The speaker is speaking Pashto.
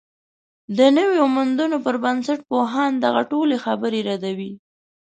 د نویو موندنو پر بنسټ، پوهان دغه ټولې خبرې ردوي